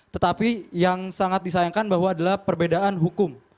tetapi yang sangat disayangkan bahwa adalah perbedaan hukum